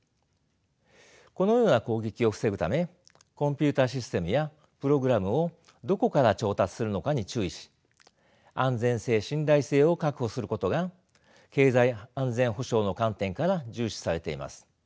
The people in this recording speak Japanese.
このような攻撃を防ぐためコンピューターシステムやプログラムをどこから調達するのかに注意し安全性信頼性を確保することが経済安全保障の観点から重視されています。